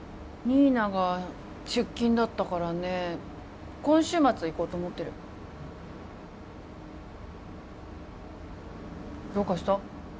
新名が出勤だったからね今週末行こうと思ってるどうかした？